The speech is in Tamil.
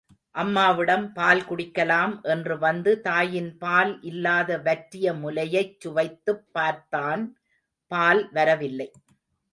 அம்மாவிடம் பால் குடிக்கலாம் என்று வந்து தாயின் பால் இல்லாத வற்றிய முலையைச் சுவைத்துப் பார்த்தான் பால் வரவில்லை.